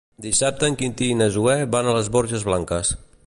Dissabte en Quintí i na Zoè van a les Borges Blanques.